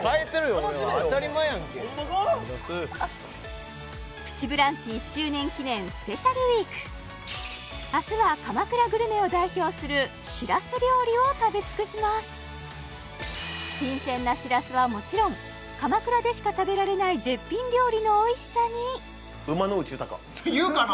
俺は当たり前やんけプチブランチ１周年記念スペシャルウィーク明日は鎌倉グルメを代表する新鮮なしらすはもちろん鎌倉でしか食べられない絶品料理のおいしさにうま野内豊言うかな？